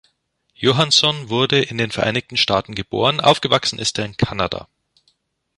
Johansson wurde in den Vereinigten Staaten geboren, aufgewachsen ist er in Kanada.